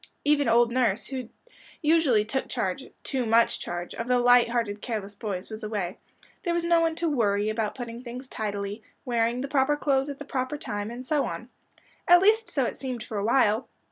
Even old nurse, who usually took charge too much charge of the light hearted careless boys, was away; there was no one to "worry" about putting things by tidily, wearing the proper clothes at the proper time, and so on. At least so it seemed for a while.